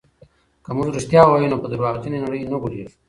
که موږ رښتیا ووایو نو په درواغجنې نړۍ نه غولېږو.